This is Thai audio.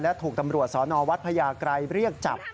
และถูกตำรวจสนวัดพญาไกรเรียกจับ